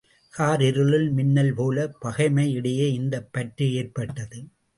Car இருளில் மின்னல்போலப் பகைமையிடையே இந்தப் பற்று ஏற்பட்டது.